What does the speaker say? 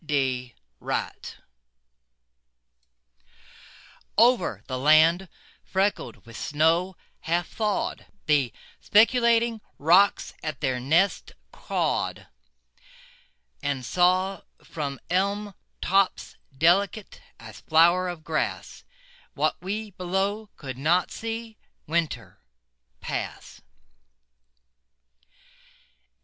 THAW OVER the land freckled with snow half thawed The speculating rooks at their nests cawed And saw from elm tops, delicate as flower of grass, What we below could not see, Winter pass.